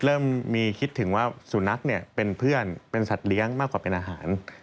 เริ่มมีคิดถึงว่าสุนัขเนี่ยเป็นเพื่อนเป็นสัตว์เลี้ยงมากกว่าเป็นอาหาร